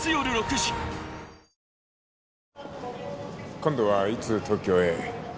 今度はいつ東京へ？